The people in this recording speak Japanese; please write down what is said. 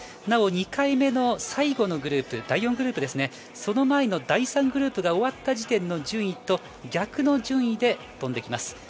なお２回目の最後のグループ第４グループですが、その前の第３グループが終わった時点の順位と逆の順位で飛んできます。